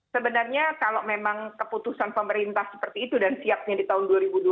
sebenarnya kalau memang keputusan pemerintah seperti itu dan siapnya di tahun dua ribu dua puluh